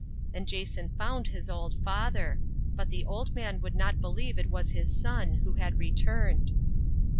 And Jason found his old father ; but the old man would not believe it was his son, who had returned.